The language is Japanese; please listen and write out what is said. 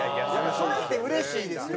それってうれしいですよね？